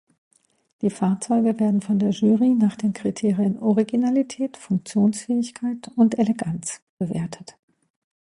Die Fahrzeuge werden von der Jury nach den Kriterien Originalität, Funktionsfähigkeit und Eleganz bewertet.